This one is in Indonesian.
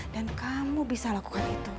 dan kamu bisa lakukan itu